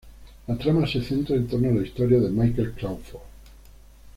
La trama se centra en torno a la historia de Michael Crawford.